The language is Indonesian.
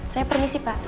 saya permisi pak